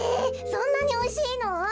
そんなにおいしいの？